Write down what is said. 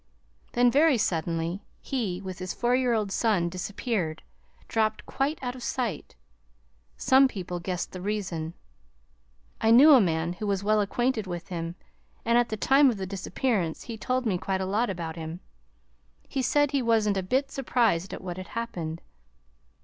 Then, very suddenly, he, with his four year old son, disappeared dropped quite out of sight. Some people guessed the reason. I knew a man who was well acquainted with him, and at the time of the disappearance he told me quite a lot about him. He said he was n't a bit surprised at what had happened.